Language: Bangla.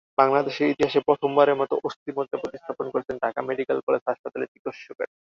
বাংলাদেশের ইতিহাসে প্রথমবারের মতো অস্থিমজ্জা প্রতিস্থাপন করেছেন ঢাকা মেডিকেল কলেজ হাসপাতালের চিকিৎসকেরা।